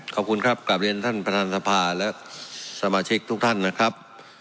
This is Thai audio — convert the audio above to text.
ขอบคุณครับกลับเรียนท่านประธานสภาและสมาชิกทุกท่านนะครับ